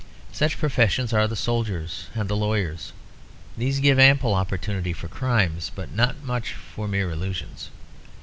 Such professions are the soldier and the lawyer; these give ample opportunity for crimes but not much for mere illusions.